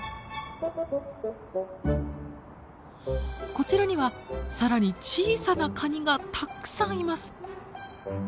こちらにはさらに小さなカニがたくさんいます。